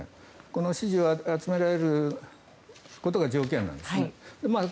この支持を集められることが条件なんですね。